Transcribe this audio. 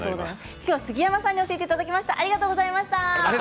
今日は杉山さんに教えていただきました。